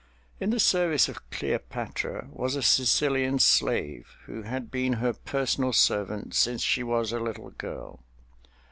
In the service of Cleopatra was a Sicilian slave who had been her personal servant since she was a little girl.